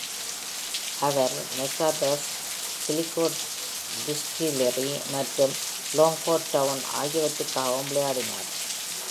அவர் McArthurs, Sligo Distillery மற்றும் Longford Town ஆகியவற்றிற்காகவும் விளையாடினார்.